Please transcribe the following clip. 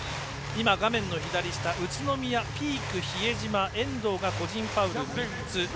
画面の左下宇都宮、ピーク、比江島遠藤が個人ファウル３つ。